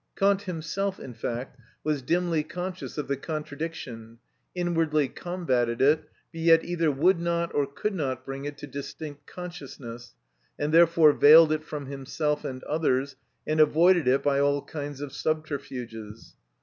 Kant himself, in fact, was dimly conscious of the contradiction, inwardly combated it, but yet either would not or could not bring it to distinct consciousness, and therefore veiled it from himself and others, and avoided it by all kinds of subterfuges.